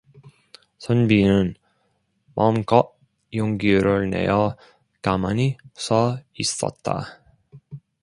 선비는 마음껏 용기를 내어 가만히 서 있었다.